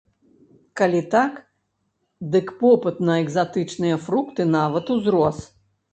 Калі так, дык попыт на экзатычныя фрукты нават узрос!